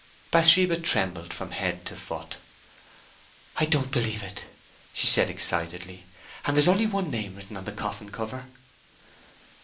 Bathsheba trembled from head to foot. "I don't believe it!" she said, excitedly. "And there's only one name written on the coffin cover."